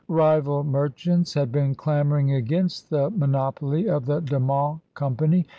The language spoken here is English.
Rival merchants had been clamoring against the monop oly of the De Monts company.